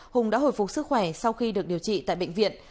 hùng đã hồi phục sức khỏe sau khi được điều trị tại bệnh viện